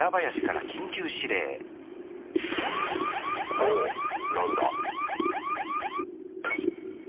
おっ何だ？